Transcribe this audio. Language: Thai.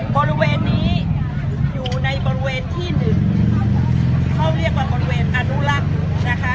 บริเวณนี้อยู่ในบริเวณที่หนึ่งเขาเรียกว่าบริเวณอนุรักษ์นะคะ